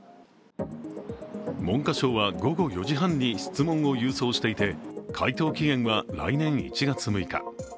文科省は午後４時半に質問を郵送していて回答期限は来年１月６日。